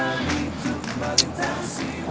namun kau tak pernah menerima